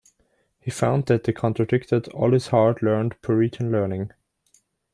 He found that they contradicted all his hard learned Puritan learning.